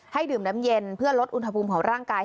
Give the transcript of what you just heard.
ดื่มน้ำเย็นเพื่อลดอุณหภูมิของร่างกาย